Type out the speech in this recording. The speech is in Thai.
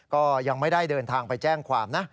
ก็ยังไม่ได้เดินทางไปแจ้งความนะ